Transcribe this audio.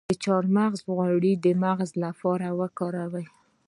د چارمغز غوړي د مغز لپاره وکاروئ